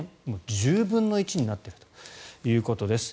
１０分の１になっているということです。